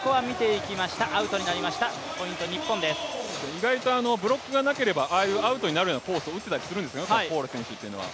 意外とブロックがなければああいうアウトになるコースを打ってたりするんですよね、フォーレ選手というのは。